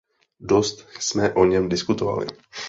Dost jsme o něm diskutovali.